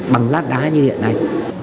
bằng lát đá như hiện nay